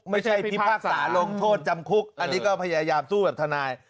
พิพากษาลงโทษจำคุกอันนี้ก็พยายามสู้กับทนาย